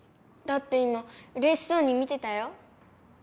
だって今うれしそうに見てたよ。